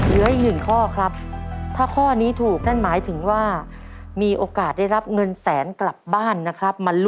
เหลืออีก๑ข้อครับ